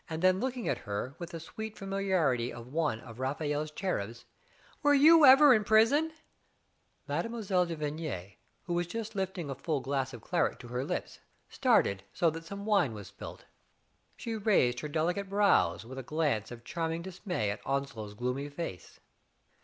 Then looking at her with the sweet familiarity of one of Raphael's cherubs, Were you ever in prison ?" Mme. de Vigny, who was just lifting a full glass of claret to her lips, started, so that some wine was spilt. She raised her delicate brows, with a glance of charming dismay at Onslow's gloomy face.